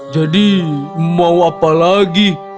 jadi mau apa lagi